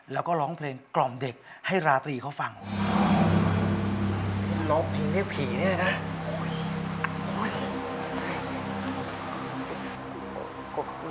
แล้วก็ร้องเพลงกล่อมเด็กให้ราตรีเขาฟังร้องเพลงเรียกผีเนี่ยนะ